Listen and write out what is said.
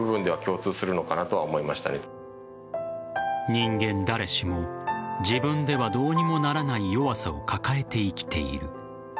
人間誰しも自分ではどうにもならない弱さを抱えて生きている。